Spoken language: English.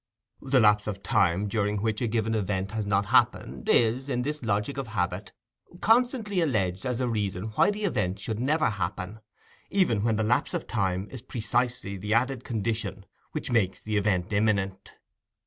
The lapse of time during which a given event has not happened, is, in this logic of habit, constantly alleged as a reason why the event should never happen, even when the lapse of time is precisely the added condition which makes the event imminent.